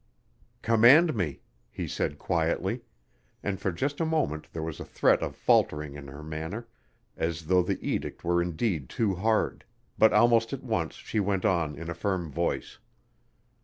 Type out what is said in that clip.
"Command me," he said quietly, and for just a moment there was a threat of faltering in her manner, as though the edict were indeed too hard, but almost at once she went on in a firm voice.